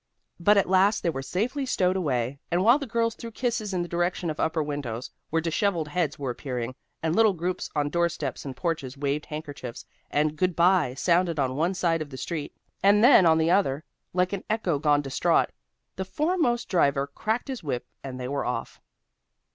But at last they were safely stowed away, and while the girls threw kisses in the direction of upper windows, where dishevelled heads were appearing, and little groups on doorsteps and porches waved handkerchiefs, and "Good by" sounded on one side of the street and then on the other, like an echo gone distraught, the foremost driver cracked his whip and they were off.